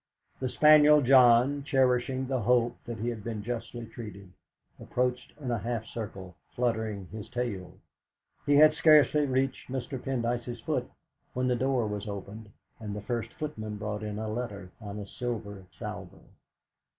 The spaniel John, cherishing the hope that he had been justly treated, approached in a half circle, fluttering his tail; he had scarcely reached Mr. Pendyce's foot when the door was opened, and the first footman brought in a letter on a silver salver.